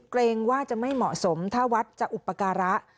เกรงว่าจะไม่เหมาะสมถ้าวัดจะอุปการะ